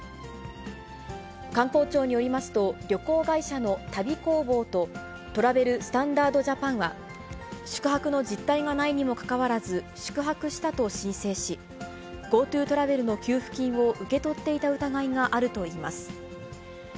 観光庁によりますと、旅行会社の旅工房と、トラベル・スタンダード・ジャパンは、宿泊の実態がないにもかかわらず、宿泊したと申請し、ＧｏＴｏトラベルの給付金を受け取っていた疑いがあるといいます。